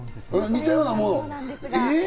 似たようなものです。